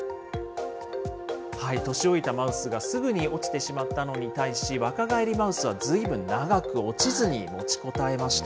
年老いたマウスがすぐに落ちてしまったのに対し、若返りマウスはずいぶん長く落ちずに持ちこたえました。